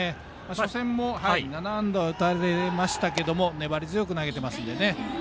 初戦も７安打打たれましたけど粘り強く投げてるのでね。